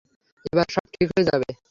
এবার সব ঠিক হয়ে যাবে।